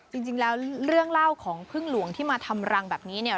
จริงแล้วเรื่องเล่าของพึ่งหลวงที่มาทำรังแบบนี้เนี่ย